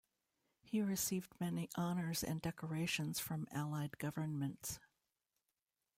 He received many honours and decorations from Allied governments.